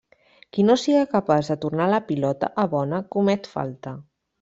Qui no siga capaç de tornar la pilota a bona comet falta.